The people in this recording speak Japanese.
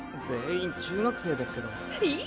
全員中学生ですけど。